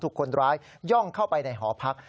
ถูกคนร้ายย่องเข้าไปในหอพัก